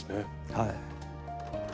はい。